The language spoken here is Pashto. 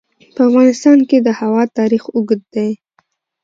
په افغانستان کې د هوا تاریخ اوږد دی.